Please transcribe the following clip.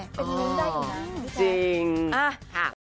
เป็นนิ้วได้อยู่นะพี่ชายเอาล่ะครับจริง